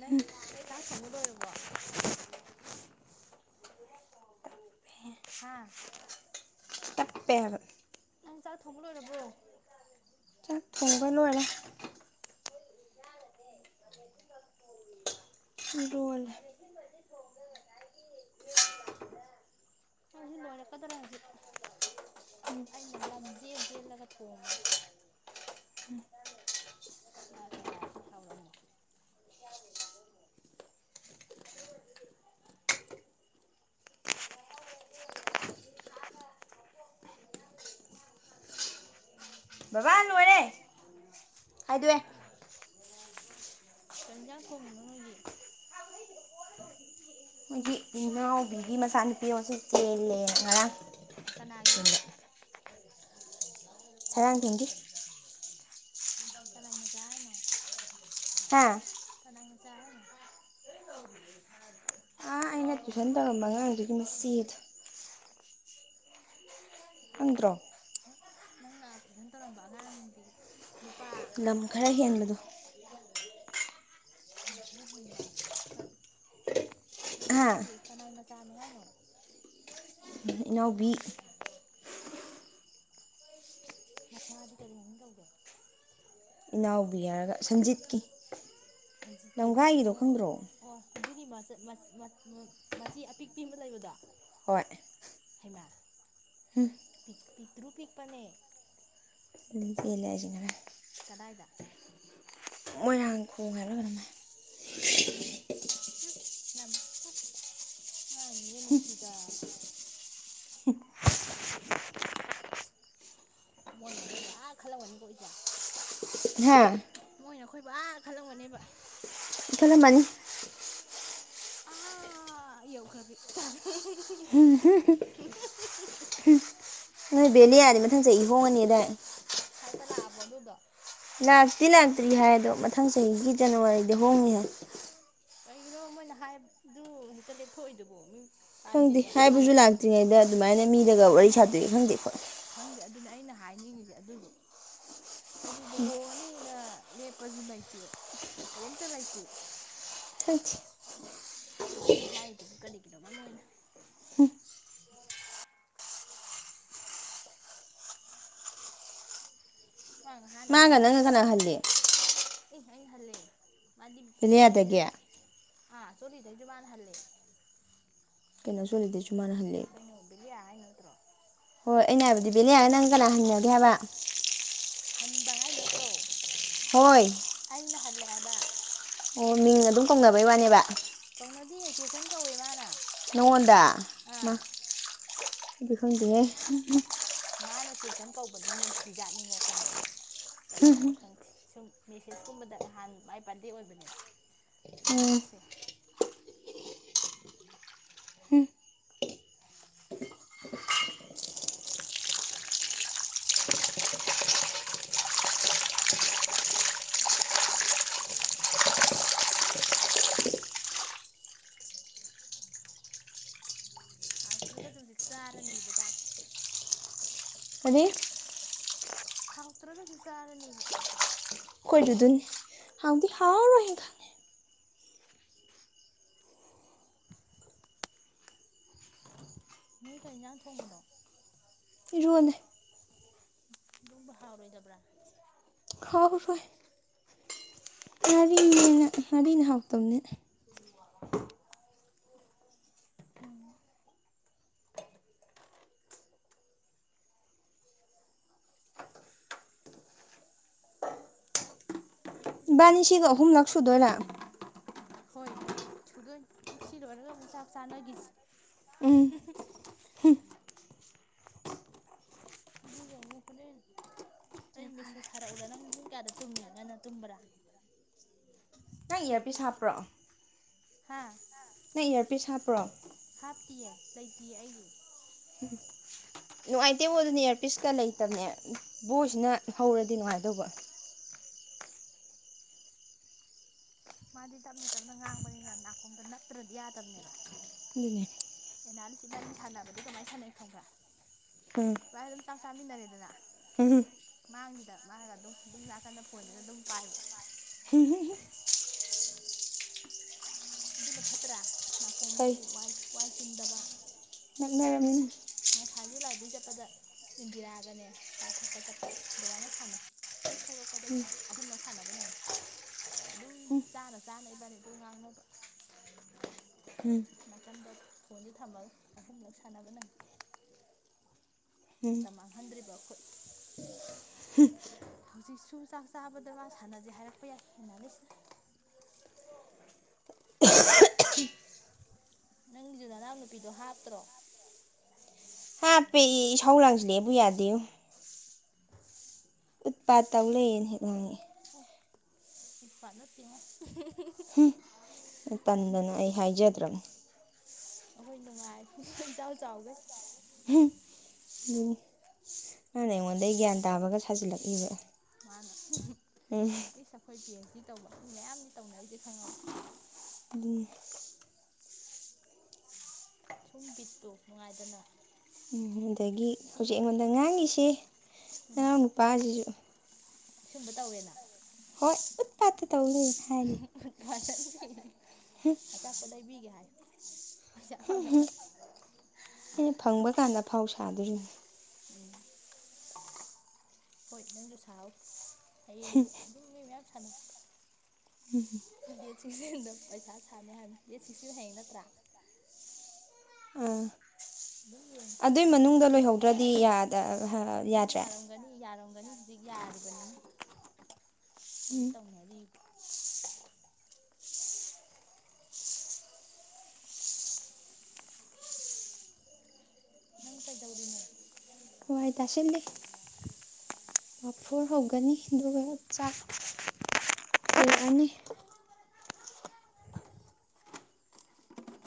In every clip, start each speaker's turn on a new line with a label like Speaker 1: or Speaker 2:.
Speaker 1: ꯅꯪ ꯆꯥꯛ ꯊꯣꯡꯕ ꯂꯣꯏꯔꯕꯣ ꯍꯥꯥ
Speaker 2: ꯆꯞꯄꯦꯜ
Speaker 1: ꯅꯪ ꯆꯥꯛ ꯊꯣꯡꯕ ꯂꯣꯏꯔꯕ꯭ꯔꯣ
Speaker 2: ꯊꯣꯡꯉꯕ ꯅꯦ ꯗꯣꯜ
Speaker 1: ꯑꯩꯁꯨ ꯂꯣꯏꯔꯛꯀꯗ꯭ꯔꯥ ꯍꯥꯏꯁꯤ ꯑꯩꯅ ꯂꯝꯖꯦꯜꯖꯦꯜꯂꯒ ꯊꯣꯡꯕꯅꯦ ꯃꯥ ꯀꯌꯥꯗꯤ ꯍꯧꯥꯎꯔꯝꯃꯣ
Speaker 2: ꯑꯗꯋꯦ
Speaker 1: ꯀꯟꯖꯥꯡ ꯊꯣꯡꯉꯤꯅꯣ ꯅꯣꯏꯒꯤ
Speaker 2: ꯃꯤꯒꯤ ꯃꯆꯥꯅꯨꯄꯤ ꯑꯃꯁꯁꯨ ꯆꯦꯜꯂꯦ ꯉꯔꯥꯡ
Speaker 1: ꯑ
Speaker 2: ꯁꯔꯥꯡ ꯇꯤꯟꯒꯤꯗꯤ
Speaker 1: ꯀꯂꯥꯏ ꯃꯖꯥꯅꯣ
Speaker 2: ꯍꯥꯥ ꯑꯥ ꯑꯩꯅ ꯇꯨꯏꯁꯟ ꯇꯧꯔꯝꯕ ꯑꯉꯥꯡꯗꯨꯒꯤ ꯃꯆꯦꯗ ꯈꯪꯗꯔꯣ
Speaker 1: ꯅꯪꯅꯥ ꯇꯨꯏꯁꯣꯟ ꯇꯧꯔꯝꯕ ꯑꯉꯥꯡ
Speaker 2: ꯂꯝ ꯈꯔ ꯍꯦꯟꯕꯗꯣ
Speaker 1: ꯂꯝꯈꯔ ꯍꯦꯟꯕ ꯀꯅꯥꯅꯣ
Speaker 2: ꯍꯥ
Speaker 1: ꯈꯪꯗꯦ ꯀꯅꯥꯏ ꯃꯥ ꯆꯅꯤ ꯍꯥꯏꯅꯣ
Speaker 2: ꯏꯅꯥꯎꯕꯤ
Speaker 1: ꯃꯃꯥꯗꯤ ꯀꯔꯤ ꯃꯃꯤꯡ ꯀꯧꯒꯦ
Speaker 2: ꯏꯅꯥꯎꯕꯤ ꯍꯥꯏꯔꯒ ꯁꯟꯖꯤꯠꯀꯤ
Speaker 1: ꯖꯤ ꯇ
Speaker 2: ꯂꯝꯒꯥꯏꯒꯤꯗꯣ
Speaker 1: ꯑꯣ
Speaker 2: ꯈꯪꯗ꯭ꯔꯣ
Speaker 1: ꯑꯣ ꯑꯗꯨꯒꯤ ꯃꯆꯦ ꯑꯄꯤꯛ ꯄꯤꯕ ꯂꯩꯕꯗꯣ
Speaker 2: ꯍꯣꯏ
Speaker 1: ꯍꯩꯃꯥ
Speaker 2: ꯍꯝ
Speaker 1: ꯄꯇꯔꯨ ꯄꯤꯛꯄꯅꯦ
Speaker 2: ꯄꯦꯜꯂꯦ ꯍꯥꯏꯁꯤꯅꯦ
Speaker 1: ꯀꯗꯥꯏꯗ
Speaker 2: ꯃꯣꯏꯔꯥꯡ ꯈꯣꯡ ꯍꯥꯏꯕꯔꯥ ꯀꯩꯅꯣꯝ ꯍꯥꯏ
Speaker 1: ꯎꯝ ꯑꯦ ꯑꯉꯥꯡ ꯁꯤꯡꯁꯦ ꯅꯨꯡꯁꯤꯗꯥ ꯃꯣꯏꯅ ꯑꯩꯈꯣꯏ ꯑ ꯈꯜꯂꯝꯛꯒꯅꯤꯀꯣ ꯏꯁꯦ
Speaker 2: ꯍꯥꯥ
Speaker 1: ꯃꯣꯏꯅ ꯑꯩꯈꯣꯏ ꯕ ꯨ ꯑꯥ ꯈꯜꯂꯝꯒꯅꯦꯕ
Speaker 2: ꯈꯜꯂꯝꯃꯅꯤ
Speaker 1: ꯑ ꯌꯧꯈ꯭ꯔꯕꯤ
Speaker 2: ꯅꯣꯏ ꯕꯦꯅꯤꯌꯥ ꯗꯤ ꯃꯊꯪ ꯆꯍꯤ ꯍꯣꯡꯉꯅꯤꯗ
Speaker 1: ꯂꯥꯛ ꯑꯥꯕꯣ ꯑꯗꯨꯗꯨꯗ
Speaker 2: ꯂꯥꯛꯇꯤ ꯂꯥꯛꯇ꯭ꯔꯤ ꯍꯥꯏꯗꯣ ꯃꯊꯪ ꯆꯍꯤꯒꯤ ꯖꯅꯋꯥꯔꯤꯗ ꯍꯣꯡꯉꯤ ꯍꯥꯏ
Speaker 1: ꯀꯩꯒꯤꯅꯣ ꯃꯣꯏꯅ ꯍꯥꯏꯕꯗꯨ ꯍꯦꯛꯇ ꯂꯦꯞꯊꯣꯛꯏꯗꯨꯕꯣ ꯃꯤ
Speaker 2: ꯈꯪꯗꯦ
Speaker 1: ꯄꯥꯟꯖꯤꯅ
Speaker 2: ꯍꯥꯏꯕꯁꯨ
Speaker 1: ꯍꯥꯏꯒꯗꯕꯗꯨꯕꯨ
Speaker 2: ꯂꯥꯛꯇ꯭ꯔꯤꯉꯩꯗ ꯑꯗꯨꯃꯥꯏꯅ ꯃꯤꯗꯒ ꯋꯥꯔꯤ
Speaker 1: ꯑꯗꯨꯅꯦ ꯍꯥꯏꯁꯦ
Speaker 2: ꯁꯥꯗꯣꯏꯒ ꯈꯪꯗꯦ ꯈꯣꯠ
Speaker 1: ꯈꯪꯗꯦ ꯑꯗꯨꯅꯦ ꯑꯩꯅ ꯍꯥꯏꯅꯤꯡꯉꯤꯁꯦ ꯑꯗꯨꯁꯨ ꯍꯥꯏꯕꯗꯤ ꯂꯨꯍꯣꯡꯉꯅꯤꯅ ꯂꯦꯞꯄꯁꯨ ꯂꯩꯇꯦ ꯀꯔꯤꯝꯇ ꯂꯩꯇꯦ
Speaker 2: ꯈꯪꯗꯤ
Speaker 1: ꯑꯗꯨꯃꯥꯏꯅ ꯍꯥꯏꯔꯤꯗꯨꯕꯨ ꯀꯔꯤꯒꯤꯅꯣ ꯑꯃ ꯑꯣꯏꯅ ꯃꯥ ꯅꯍꯥꯟ
Speaker 2: ꯃꯥꯒ ꯅꯪꯉ ꯀꯅꯥ ꯍꯟꯂꯤ
Speaker 1: ꯏ ꯑꯩꯅꯥ ꯍꯜꯂꯦ ꯃꯥꯗꯤ
Speaker 2: ꯕꯦꯂꯤꯌꯥꯗꯒꯤ
Speaker 1: [inaudible] ꯑꯥ [inaudible] ꯍꯥꯏꯜꯂꯦ
Speaker 2: ꯀꯩꯅꯣ [inaudible]
Speaker 1: ꯀꯩꯅꯤ ꯀꯇ꯭ꯔꯣ
Speaker 2: ꯍꯣꯏ ꯑꯩꯅ ꯍꯥꯏꯕꯗꯤ ꯕꯦꯅꯤꯌꯥ ꯒ ꯅꯪ ꯀꯅꯥ ꯍꯪꯅꯒꯦ ꯍꯥꯏꯕ
Speaker 1: ꯍꯟꯕ ꯍꯥꯏ ꯅꯠꯇ꯭ꯔꯣ
Speaker 2: ꯍꯣꯏ
Speaker 1: ꯑꯩꯅꯍꯜꯂꯦ [unintelligible]
Speaker 2: ꯑꯣ ꯃꯤꯡ ꯑꯗꯨꯝ ꯀꯧꯅꯩ ꯋꯥꯅꯦꯕ꯫
Speaker 1: ꯅꯗꯤ ꯆꯦꯆꯟ ꯀꯧꯋꯦ ꯃꯥꯅ꯫
Speaker 2: ꯅꯉꯣꯟꯗ꯫
Speaker 1: ꯑꯥ
Speaker 2: ꯑꯗꯨꯈꯪꯗꯦꯍꯦ꯫
Speaker 1: ꯃꯥꯅ ꯆꯦꯆꯟ ꯀꯧꯕꯗꯤ ꯅꯨꯡꯁꯤꯖꯥꯠꯅꯤꯡꯉꯣ ꯈꯪꯕ꯭ꯔꯥ꯫ ꯀꯔꯤꯒꯤꯅꯣ ꯈꯪꯗꯦ ꯁꯨꯝ꯫ ꯃꯦꯁꯦꯁꯀꯨꯝꯕꯗ ꯅꯍꯥꯟ ꯃꯥꯏ ꯕꯥꯔꯗꯦ ꯑꯣꯏꯕꯅꯦꯕ
Speaker 2: ꯎꯝ
Speaker 1: ꯑꯗꯨꯗꯒꯥꯁꯦ꯫ ꯀꯥꯏꯅ ꯍꯥꯏ꯫ ꯍꯥꯎꯇ꯭ꯔꯒꯁꯨ ꯍꯧꯖꯤꯛ ꯆꯥꯔꯅꯤꯕ ꯆꯥꯛꯁꯦ꯫
Speaker 2: ꯑꯗꯩ
Speaker 1: ꯍꯥꯎꯇ꯭ꯔꯒꯁꯨ ꯆꯥꯔꯅꯦꯕ꯫
Speaker 2: ꯈꯣꯏꯖꯨꯗꯨꯅꯤ ꯍꯥꯎꯗꯤ ꯍꯥꯎꯔꯣꯏꯍꯦ ꯈꯪꯉꯦ꯫
Speaker 1: ꯅꯣꯏ ꯀꯩ ꯏꯟꯖꯥꯡ ꯊꯣꯡꯕꯅꯣ꯫
Speaker 2: ꯏꯔꯣꯜꯂꯦ꯫
Speaker 1: ꯏꯔꯣꯝꯕ ꯍꯥꯥꯎꯔꯣꯏꯗꯕ꯭ꯔ꯫
Speaker 2: ꯍꯥꯎꯔꯣꯏ ꯉꯥꯔꯤꯅꯦꯅ ꯉꯔꯤꯅ ꯍꯥꯎꯇꯝꯅꯦ꯫ ꯏꯕꯥꯅꯤ ꯁꯤꯒ ꯑꯍꯨꯝꯂꯛ ꯁꯨꯗꯣꯏꯔꯥ꯫
Speaker 1: ꯍꯣꯏ ꯁꯨꯗꯣꯏꯅꯦ ꯁꯤ ꯂꯣꯏꯔꯒ ꯑꯃꯨꯛ ꯆꯥꯛ ꯆꯥꯅꯈꯤꯁꯤ꯫
Speaker 2: ꯎꯝ
Speaker 1: ꯑꯗꯨꯒ ꯑꯃꯨꯛ ꯍꯣꯔꯦꯟ ꯑꯩ ꯃꯦꯁꯦꯁ ꯊꯥꯔꯛꯎꯔꯥ ꯅꯪ ꯄꯨꯡ ꯀꯌꯥꯗ ꯇꯨꯝꯃꯤ ꯉꯟꯅ ꯇꯨꯝꯕ꯭ꯔꯥ꯫
Speaker 2: ꯅꯪ ꯏꯌꯥꯔꯄꯤꯁ ꯍꯥꯞꯄ꯭ꯔꯣ꯫
Speaker 1: ꯍꯥꯥ꯫
Speaker 2: ꯅꯪ ꯏꯌꯥꯔꯄꯤꯁ ꯍꯥꯞꯄ꯭ꯔꯣ꯫
Speaker 1: ꯍꯥꯞꯇꯤꯌꯦ ꯂꯩꯇꯤꯌꯦ ꯑꯩꯒꯤ꯫
Speaker 2: ꯅꯨꯡꯉꯥꯏꯇꯦꯕꯣ ꯑꯗꯨꯅꯦ ꯏꯌ꯭ꯔꯄꯤꯁꯀ ꯂꯩꯇꯕꯅꯦ ꯕꯣꯏꯁꯤꯅ ꯍꯧꯔꯗꯤ ꯅꯨꯡꯉꯥꯏꯗꯧꯕ꯫
Speaker 1: ꯃꯥꯗꯤ ꯇꯞꯅ ꯇꯞꯅ ꯉꯥꯡꯕꯅꯤꯅ ꯅꯥꯀꯣꯡꯗ ꯅꯞꯇ꯭ꯔꯗꯤ ꯌꯥꯗꯕꯅꯦꯕ꯫
Speaker 2: ꯑꯗꯨꯅꯦ꯫
Speaker 1: ꯅꯥꯜꯁ ꯏꯕꯥꯅꯤ ꯁꯥꯟꯅꯕꯗꯤ ꯀꯃꯥꯏꯅ ꯁꯥꯟꯅꯩ ꯈꯪꯕ꯭ꯔꯥ꯫ ꯋꯥꯏ ꯑꯗꯨꯝ ꯆꯥ ꯆꯥꯃꯤꯟꯅꯔꯦꯗꯅ꯫
Speaker 2: ꯎꯝ꯫
Speaker 1: ꯑꯉꯥꯡꯁꯤꯗ ꯃꯥꯒ ꯑꯗꯨꯝ ꯑꯗꯨꯝ ꯅꯥꯀꯥꯟꯗ ꯐꯣꯟꯁꯤꯗ ꯑꯗꯨꯝ ꯄꯥꯏꯕ꯫
Speaker 2: ꯎꯝ
Speaker 1: ꯑꯗꯨꯅ ꯐꯠꯇ꯭ꯔꯥ꯫ ꯅꯥꯀꯣꯡꯖꯨ
Speaker 2: ꯐꯩ
Speaker 1: ꯋꯥꯏ ꯋꯥꯏꯆꯤꯟꯗꯕ꯫
Speaker 2: ꯅꯛꯅꯔꯝꯅꯤꯅ꯫
Speaker 1: ꯅꯍꯥꯟꯁꯨ ꯂꯥꯏꯕ꯭ꯔꯦꯔꯤ ꯆꯠꯄꯗ ꯏꯟꯗꯤꯔꯥꯒꯅꯦ ꯆꯥ ꯊꯛꯄ ꯆꯠꯄꯗ ꯑꯗꯨꯃꯥꯏꯅ ꯁꯥꯟꯅꯩ ꯍꯦꯛ ꯊꯣꯛꯂꯛꯄꯗꯒꯤꯅ ꯑꯍꯨꯝꯂꯛ ꯁꯥꯟꯅꯕ ꯅꯪꯉꯤ ꯑꯗꯨꯝ ꯆꯥꯅ ꯆꯥꯅ ꯏꯕꯥꯅꯤ ꯑꯗꯨ ꯉꯥꯡꯅꯕ꯫
Speaker 2: ꯎꯝ
Speaker 1: ꯅꯥꯀꯥꯟꯗ ꯐꯣꯟꯁꯤ ꯊꯝꯃꯒ ꯑꯍꯨꯂꯛ ꯁꯥꯟꯅꯕ ꯅꯪꯉꯦ꯫
Speaker 2: ꯎꯝ
Speaker 1: ꯃꯇꯝ ꯃꯥꯡꯍꯟꯗ꯭ꯔꯤꯕ ꯑꯩꯈꯣꯏ꯫ ꯍꯧꯖꯤꯛꯁꯨ ꯆꯥꯛ ꯆꯥꯕꯗ ꯃꯥ ꯁꯥꯟꯅꯖꯦ ꯍꯥꯏꯔꯛꯄ ꯌꯥꯏ ꯑꯦꯅꯥꯂꯤꯁꯅ꯫ ꯅꯪꯒꯤꯁꯨ ꯅꯅꯥꯎ ꯅꯨꯄꯤꯗꯣ ꯍꯥꯞꯇ꯭ꯔꯣ꯫
Speaker 2: ꯍꯥꯄꯦ ꯏꯁꯧ ꯂꯥꯡꯁꯜꯂꯦꯕꯨ ꯌꯥꯗꯦꯕꯨ꯫ ꯎꯠꯄꯠꯇ ꯇꯧ ꯂꯩꯌꯦꯅ ꯍꯦꯛ ꯉꯥꯡꯉꯛꯑꯦ꯫
Speaker 1: ꯎꯠꯄꯥꯠ ꯅꯠꯇꯦꯉꯣ꯫
Speaker 2: ꯍꯨ ꯇꯟꯗꯅ ꯑꯩ ꯍꯥꯏꯖꯗ꯭ꯔꯕꯅꯦ꯫
Speaker 1: ꯑꯩꯈꯣꯏ ꯅꯨꯡꯉꯥꯏ ꯏꯆꯥꯎ ꯆꯥꯎꯈꯩ꯫
Speaker 2: ꯑꯗꯨ ꯃꯥꯥꯟꯅ ꯑꯩꯉꯣꯟꯗ ꯒ꯭ꯌꯥꯟ ꯇꯥꯕꯒ ꯁꯥꯖꯤꯜꯂꯛꯏꯕ
Speaker 1: ꯃꯥꯅ
Speaker 2: ꯎꯝ
Speaker 1: ꯁꯏ ꯑꯩꯈꯣꯏ ꯄꯤ ꯑꯦꯁ ꯗꯤ ꯇꯧꯕ ꯃꯤ ꯃꯌꯥꯝꯗꯤ ꯇꯧꯅ ꯔꯤꯁꯦ ꯈꯪꯉꯕ
Speaker 2: ꯎꯝ
Speaker 1: ꯁꯨꯝ ꯕꯤꯠꯇꯨ ꯅꯨꯡꯉꯥꯏꯗꯅ
Speaker 2: ꯎꯝ ꯑꯗꯒꯤ
Speaker 1: ꯁꯤ
Speaker 2: ꯍꯧꯖꯤꯛ ꯑꯩꯉꯣꯟꯗ ꯉꯥꯡꯉꯁꯤ ꯅꯅꯥꯎ ꯅꯨꯄꯥꯁꯤꯁꯨ
Speaker 1: ꯁꯨꯝꯕ ꯇꯧꯋꯦꯅ
Speaker 2: ꯍꯣꯏ ꯎꯠꯄꯠ
Speaker 1: ꯑꯆꯥꯄꯣꯠ ꯂꯩꯕꯤꯒꯦ ꯍꯥꯏꯑꯣ
Speaker 2: ꯍꯨꯝ ꯑꯩꯅ ꯐꯪꯕ ꯀꯥꯟꯗ ꯑꯐꯥꯎ ꯁꯥꯗꯣꯏꯅꯤ
Speaker 1: ꯎꯝ ꯍꯣꯏ ꯅꯪꯁꯨ ꯁꯥꯎꯑꯣ ꯍꯌꯦꯡꯕꯨ ꯑꯗꯨꯝ ꯃꯤ ꯃꯌꯥꯝ ꯁꯥꯟꯅ ꯗꯦꯠ ꯁꯤꯁꯇꯤꯟꯗ ꯊꯗ ꯄꯩꯁꯥ ꯁꯥꯅꯤ ꯍꯥꯏꯕ ꯅꯦ ꯗꯦꯠ ꯁꯤꯛꯁꯇꯤꯟ ꯍꯌꯦꯡ ꯅꯠꯇ꯭ꯔꯥ
Speaker 2: ꯑ
Speaker 1: ꯑꯗꯨꯝ ꯌꯦꯡꯉꯣ
Speaker 2: ꯑꯗꯨꯏ
Speaker 1: ꯄꯩꯁꯥ
Speaker 2: ꯃꯅꯨꯡꯗ
Speaker 1: ꯊꯣꯛꯂꯛꯄ꯭ꯔꯥ ꯌꯦꯡꯉꯣ
Speaker 2: ꯂꯣꯏꯍꯧꯗ꯭ꯔꯗꯤ
Speaker 1: ꯑꯗꯨꯝ
Speaker 2: ꯌꯥꯗ꯭ꯔꯦ
Speaker 1: ꯌꯥꯔꯝꯒꯅꯤ ꯌꯥꯔꯝꯒꯅꯤ ꯍꯧꯖꯤꯛ ꯌꯥꯔꯕꯅꯤ
Speaker 2: ꯎꯝ
Speaker 1: ꯑꯩꯁꯨ ꯇꯧꯅꯤꯡꯉꯥꯏꯑꯦ ꯅꯪ ꯀꯩꯗꯧꯔꯤꯅꯣ
Speaker 2: ꯋꯥꯏ ꯇꯁꯤꯜꯂꯤ ꯉꯐꯣꯔ ꯍꯧꯒꯅꯤ ꯑꯗꯨꯒ ꯆꯥꯛ ꯊꯣꯡꯑꯅꯤ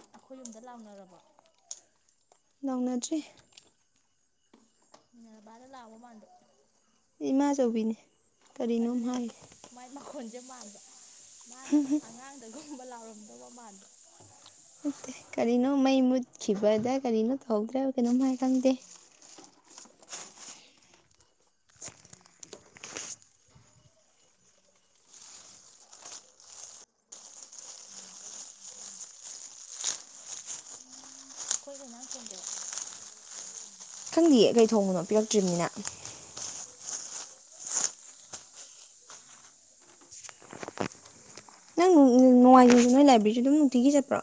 Speaker 1: ꯑꯩꯈꯣꯏ ꯌꯨꯝꯗ ꯂꯥꯎꯅꯔꯕꯣ
Speaker 2: ꯂꯧꯅꯗ꯭ꯔꯤ
Speaker 1: ꯅꯔꯕꯔ ꯂꯥꯎꯕ ꯃꯟꯕ
Speaker 2: ꯏꯃꯥ ꯆꯧꯅꯦ
Speaker 1: ꯑꯗꯨꯅꯦ ꯃꯥꯏ ꯃꯈꯣꯜ ꯈꯣꯟꯖꯦ ꯃꯥꯟꯗ ꯃꯥꯅ ꯑꯉꯥꯡꯗꯒ ꯕ ꯂꯥꯎꯔꯝꯗꯧꯕ ꯃꯥꯟꯕ
Speaker 2: ꯅꯠꯇꯦ ꯀꯔꯤꯅꯣ ꯃꯩ ꯃꯨꯠꯈꯤꯕꯗ ꯀꯔꯤꯅꯣ ꯇꯧꯍꯧꯗ꯭ꯔꯦꯕ ꯀꯩꯅꯅꯣꯝꯃ ꯈꯪꯗꯦ
Speaker 1: ꯑꯩꯈꯣꯏ ꯀꯔꯤ ꯏꯟꯖꯡ ꯊꯣꯡꯒꯦ
Speaker 2: ꯈꯪꯗꯦꯌꯦ ꯀꯩ ꯊꯣꯡꯕꯅꯣ ꯄꯤꯔꯛꯇ꯭ꯔꯤꯕꯅꯤꯅ ꯅꯣꯡꯃꯥꯏꯖꯤꯡꯗꯁꯨ ꯅꯣꯏ ꯂꯥꯏꯕꯦꯔꯤꯁꯁꯨ ꯑꯗꯨꯝ ꯅꯨꯡꯇꯤꯒꯤ ꯆꯠꯄ꯭ꯔꯣ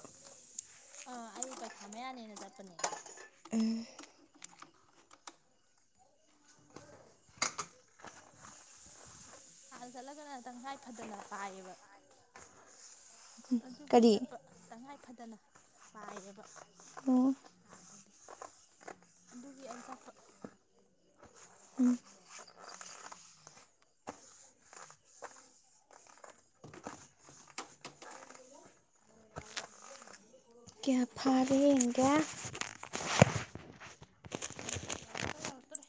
Speaker 1: ꯑꯗꯨ ꯄꯩꯈꯥ ꯃꯌꯥꯅꯦꯅ ꯆꯠꯄꯅꯦ ꯍꯥꯟꯅ ꯆꯠꯂꯒꯅ ꯇꯉꯥꯏ ꯐꯗꯅ ꯄꯥꯏꯌꯦꯕ ꯑꯗꯨꯒꯤ
Speaker 2: ꯀꯔꯤ
Speaker 1: ꯆꯠꯄ ꯇꯉꯥꯏ ꯐꯗꯅ ꯄꯥꯏꯌꯦꯕ
Speaker 2: ꯑꯣ
Speaker 1: ꯑꯗꯨꯒꯤ ꯑꯩ ꯆꯠꯄ
Speaker 2: ꯌꯦꯡꯒ‌ꯦ
Speaker 1: ꯌꯥꯎꯇ‌ꯣꯔ‌ꯦ ꯌꯥꯎꯔꯛꯇ‌ꯣꯔꯦ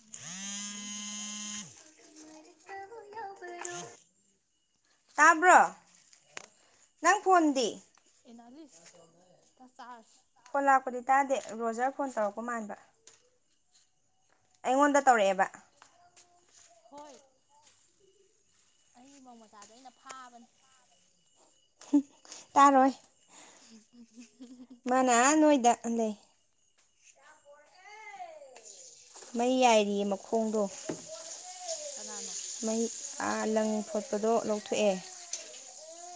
Speaker 1: ꯑꯦꯅꯥꯂꯤꯁꯇ ꯆꯥꯅꯤꯡꯗꯦ ꯍꯥꯏꯔꯛꯄ
Speaker 2: ꯇꯥꯕ꯭ꯔꯣ ꯅꯪ ꯐꯣꯟꯗꯤ
Speaker 1: ꯑꯦꯅꯥꯂꯤꯁ ꯆꯥꯔꯥꯁꯤ
Speaker 2: ꯍꯣꯟ ꯂꯥꯛꯄꯗꯤ ꯇꯥꯗꯦ ꯔꯣꯖꯔ ꯐꯣꯟ ꯇꯧꯔꯛꯄ ꯃꯥꯟꯕ ꯑꯩꯉꯣꯟꯗ ꯇꯧꯔꯛꯑꯦꯕ
Speaker 1: ꯍꯣꯏ ꯑꯩꯒꯤ ꯃꯧ ꯃꯆꯥꯗꯣ ꯑꯩꯅ ꯐꯥꯕꯅꯦ
Speaker 2: ꯇꯥꯔꯣꯏ
Speaker 1: [inaudible]
Speaker 2: ꯃꯥꯅꯥ ꯅꯣꯏꯗꯥꯛ ꯂꯩ ꯃꯩ ꯌꯥꯏꯔꯤꯌꯦ ꯃꯈꯣꯡꯗꯣ
Speaker 1: ꯀꯅꯥꯅꯣ
Speaker 2: ꯃꯩ ꯂꯪ ꯐꯣꯠꯄꯗꯣ ꯂꯧꯊꯣꯛꯑꯦ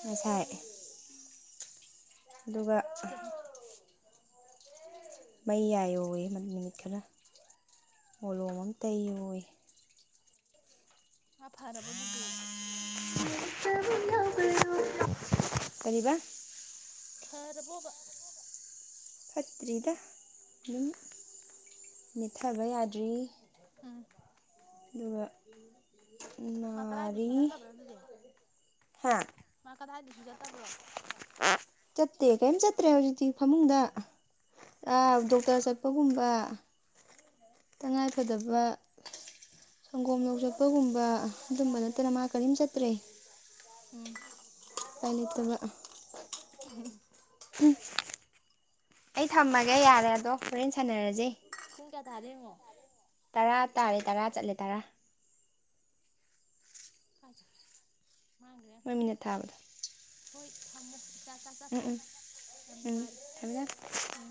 Speaker 2: ꯉꯁꯥꯏ
Speaker 1: ꯎꯝ
Speaker 2: ꯚ ꯆ ꯃꯩ ꯌꯥꯏꯌꯣꯏ ꯅꯨꯃꯤꯠ ꯈꯔ ꯃꯣꯂꯣꯝ ꯑꯝꯇ ꯌꯣꯏ
Speaker 1: ꯡꯈꯔꯥ ꯐꯔꯕꯣ ꯑꯗꯨꯗꯤ
Speaker 2: ꯀꯔꯤꯕ
Speaker 1: ꯐꯔꯕꯣꯕ
Speaker 2: ꯐꯠꯇ꯭ꯔꯤꯗ ꯑꯗꯨꯝ ꯅꯦꯠꯊꯕ ꯌꯥꯗ꯭ꯔꯤ
Speaker 1: ꯎꯝ
Speaker 2: ꯑꯗꯨꯒ ꯅꯥꯔꯤ
Speaker 1: ꯥꯏꯗꯤꯁ ꯆꯠꯇ ꯄ꯭ꯔꯣ ꯑꯗꯨꯗ
Speaker 2: ꯍꯥ
Speaker 1: ꯔꯥꯏꯁ ꯂꯨꯖꯇꯕ꯭ꯔꯣ
Speaker 2: ꯆꯠꯇꯦ ꯀꯔꯤꯝ ꯆꯠꯇ꯭ꯔꯦ ꯍꯧꯖꯤꯛꯇꯤ ꯐꯃꯨꯡꯗ ꯗꯣꯛꯇꯔ ꯆꯠꯄꯒꯨꯝꯕ ꯇꯉꯥꯏꯐꯗꯕ ꯁꯪꯒꯣꯝ ꯌꯧ ꯆꯠꯄꯒꯨꯝꯕ ꯑꯗꯨꯝꯕ ꯅꯠꯇꯅ ꯃꯥ ꯀꯔꯤꯝ ꯆꯠꯇ꯭ꯔꯦ
Speaker 1: ꯎꯝ
Speaker 2: ꯄꯥꯏꯂꯦꯠꯇꯨꯒ ꯎ ꯑꯩ ꯊꯝꯃꯒꯦ ꯌꯥꯔꯦ ꯑꯗꯣ ꯍꯣꯔꯦꯟ ꯁꯥꯟꯅꯔꯁꯦ
Speaker 1: ꯄꯨꯡ ꯀꯌꯥ ꯇꯥꯔꯦ ꯌꯦꯡꯉꯣ
Speaker 2: ꯇꯔꯥ ꯇꯥꯔꯦ ꯇꯔꯥ ꯆꯠꯂꯦ ꯇꯔꯥ
Speaker 1: ꯀꯥꯖꯔꯤ
Speaker 2: ꯍꯣꯏꯃꯤꯟꯅ ꯊꯥꯕꯗ
Speaker 1: ꯍ‌ꯣꯏ ꯊꯝꯃꯣ ꯏꯆꯥ ꯆꯥ
Speaker 2: ꯎꯝ
Speaker 1: ꯆꯥꯊꯣꯛꯑꯣ
Speaker 2: ꯎꯝ
Speaker 1: ꯌꯥꯝ
Speaker 2: ꯎꯝ
Speaker 1: ꯅꯨꯡꯉꯥꯏꯔꯦ
Speaker 2: ꯊꯝ ꯊꯝ
Speaker 1: ꯎꯝ